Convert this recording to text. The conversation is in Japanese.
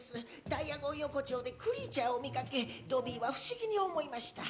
ダイアゴン横丁でクリーチャーを見かけドビーは不思議に思いました